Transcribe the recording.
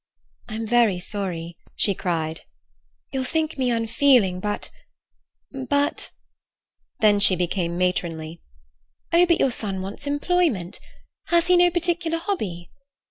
"I'm very sorry," she cried. "You'll think me unfeeling, but—but—" Then she became matronly. "Oh, but your son wants employment. Has he no particular hobby?